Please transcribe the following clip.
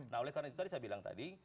nah oleh karena itu tadi saya bilang tadi